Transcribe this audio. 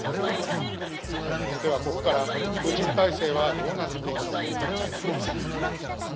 ではここからプーチン体制はどうなっていくのか考えてみます。